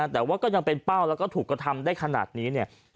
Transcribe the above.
แต่ว่าเป็นเป้าแล้วก็ถูกทำได้ขนาดนี้